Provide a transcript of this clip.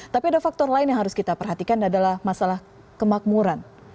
tapi ada faktor lain yang harus kita perhatikan adalah masalah kemakmuran